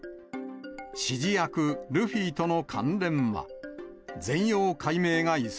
指示役、ルフィとの関連は。